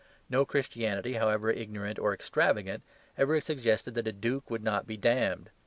No Christianity, however ignorant or extravagant, ever suggested that a duke would not be damned.